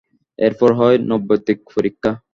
এরপর হয় নৈর্ব্যক্তিক পরীক্ষা।